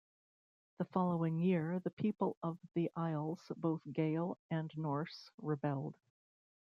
The following year, the people of the Isles, both Gael and Norse, rebelled.